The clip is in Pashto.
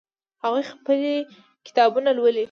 هغوی خپلې کتابونه لولي